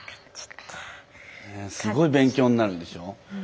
ねえすごい勉強になるでしょう？